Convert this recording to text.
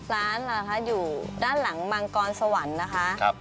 ร้านนะคะอยู่ด้านหลังมังกรสวรรค์นะคะ